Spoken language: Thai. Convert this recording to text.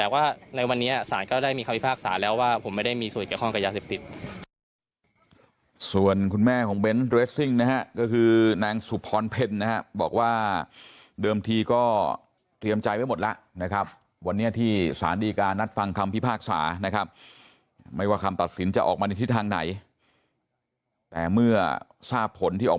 แต่ว่าในวันนี้ศาลก็ได้มีคำพิพากษาแล้วว่าผมไม่ได้มีส่วนเกี่ยวข้องกับยาเสพติด